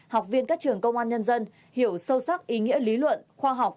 học viên các trường công an nhân dân hiểu sâu sắc ý nghĩa lý luận khoa học